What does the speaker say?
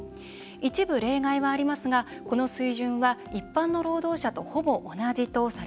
一部例外はありますがこの水準は一般の労働者とほぼ同じとされています。